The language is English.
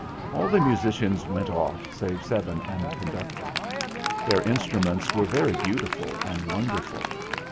All the musicians went off save seven and the conductor. Their instruments were very beautiful and wonderful.